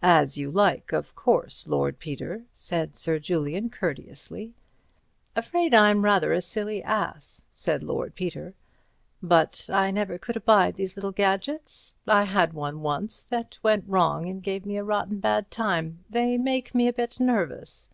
"As you like, of course, Lord Peter," said Sir Julian, courteously. "Afraid I'm rather a silly ass," said Lord Peter, "but I never could abide these little gadgets. I had one once that went wrong and gave me a rotten bad time. They make me a bit nervous."